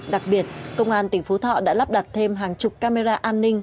đặc biệt công an tỉnh phú thọ đã lắp đặt thêm hàng chục camera an ninh